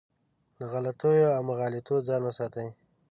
له غلطیو او مغالطو ځان وساتي.